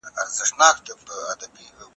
که ته وخت لرې، نو کتاب ولوله.